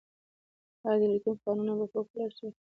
آیا د لیتیم کانونه به وپلورل شي؟